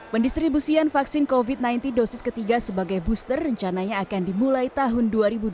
pendistribusian vaksin covid sembilan belas dosis ketiga sebagai booster rencananya akan dimulai tahun dua ribu dua puluh